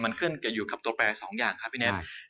มันขึ้นอยู่กับตัวแปรสองอย่างครับพี่เน็ต